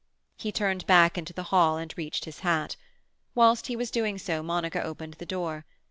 He turned back into the hall and reached his hat. Whilst he was doing so Monica opened the door.